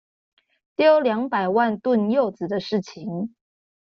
丟兩百萬噸柚子的事情